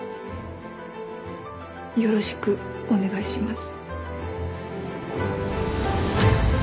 よろしくお願いします。